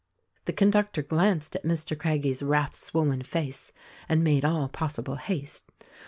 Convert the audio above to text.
The conductor glanced at Mr. Craggie's wrath swollen face and made all possible haste.